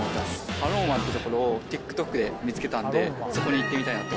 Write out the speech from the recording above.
ハロン湾っていう所をＴｉｋＴｏｋで見つけたんで、そこに行ってみたいなと。